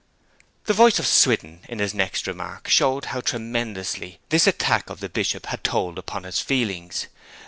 The voice of Swithin in his next remark showed how tremendously this attack of the Bishop had told upon his feelings.